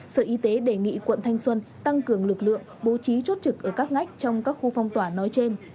sở y tế đề nghị quận thanh xuân tăng cường lực lượng bố trí chốt trực ở các ngách trong các khu phong tỏa nói trên